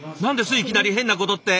いきなり変なことって。